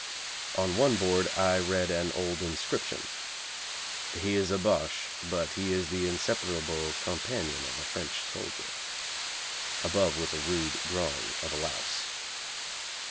On one board I read an old inscription, 'He is a Boche, but he is the inseparable companion of a French soldier.' Above was a rude drawing of a louse.